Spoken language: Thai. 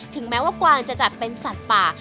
แม้ว่ากวางจะจัดเป็นสัตว์ป่า